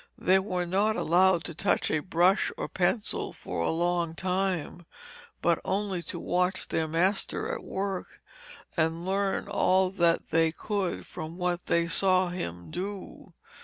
They were not allowed to touch a brush or pencil for a long time, but only to watch their master at work, and learn all that they could from what they saw him do.